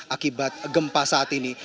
akibat gempa saat ini